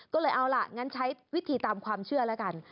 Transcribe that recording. ก็เลยเอาล่ะงั้นใช้วิธีตามความเชื่อแล้วกัน